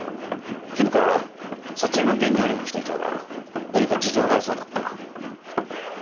絹香は沙知絵の現場にも来ていたが何か事情がありそうだった。